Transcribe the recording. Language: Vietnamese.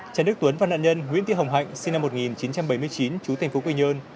trần đức tuấn và nạn nhân nguyễn thị hồng hạnh sinh năm một nghìn chín trăm bảy mươi chín chú thành phố quy nhơn